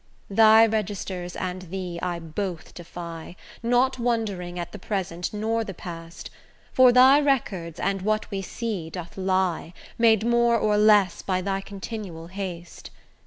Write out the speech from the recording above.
Thy registers and thee I both defy, Not wondering at the present nor the past, For thy records and what we see doth lie, Made more or less by thy continual haste.